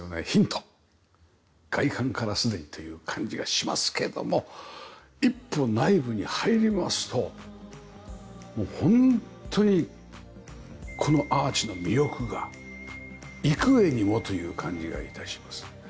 ヒント外観からすでにという感じがしますけども一歩内部に入りますともう本当にこのアーチの魅力が幾重にもという感じが致します。